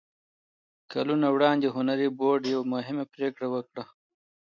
کلونه وړاندې هنري فورډ يوه مهمه پرېکړه وکړه.